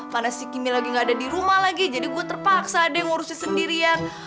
mana si kimi lagi gak ada di rumah lagi jadi gue terpaksa deh yang ngurusin sendirian